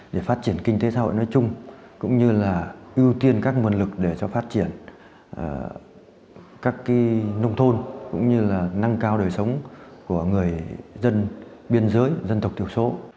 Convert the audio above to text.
để phát triển kinh tế xã hội nói chung cũng như là ưu tiên các nguồn lực để cho phát triển các nông thôn cũng như là nâng cao đời sống của người dân biên giới dân tộc thiểu số